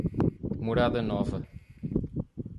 Morada Nova